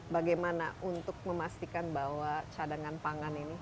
bagaimana untuk memastikan bahwa cadangan pangan ini